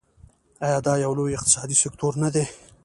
آیا دا یو لوی اقتصادي سکتور نه دی؟